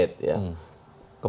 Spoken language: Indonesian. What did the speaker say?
kemudian tiga kali dipanggil mangkir